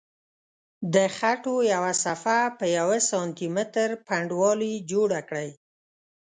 د خټو یوه صفحه په یوه سانتي متر پنډوالي جوړه کړئ.